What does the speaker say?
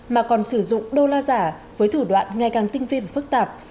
mà còn sử dụng đô la giả với thủ đoạn ngày càng tinh vi và phức tạp